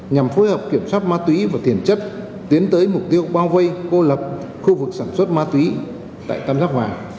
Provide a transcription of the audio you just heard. nhằm phối hợp kiểm soát ma túy và tiền chất tiến tới mục tiêu bao vây cô lập khu vực sản xuất ma túy tại tam giác hòa